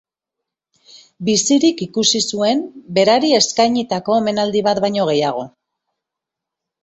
Bizirik ikusi zuen berari eskainitako omenaldi bat baino gehiago.